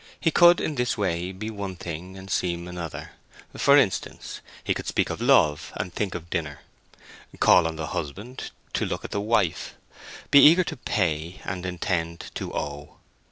He could in this way be one thing and seem another: for instance, he could speak of love and think of dinner; call on the husband to look at the wife; be eager to pay and intend to owe.